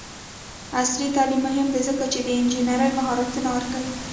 عصري تعلیم مهم دی ځکه چې د انجینرۍ مهارتونه ورکوي.